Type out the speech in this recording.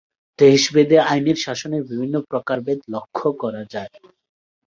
দেশভেদে আইনের শাসনের বিভিন্ন প্রকারভেদ লক্ষ্য করা যায়।